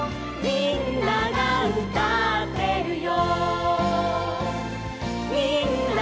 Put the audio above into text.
「みんながうたってるよ」